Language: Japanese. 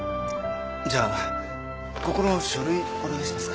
じゃあここの書類お願いします。